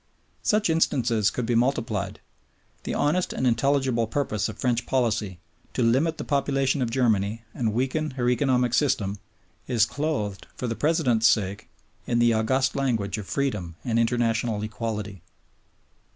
Such instances could be multiplied. The honest and intelligible purpose of French policy, to limit the population of Germany and weaken her economic system, is clothed, for the President's sake, in the august language of freedom and international equality.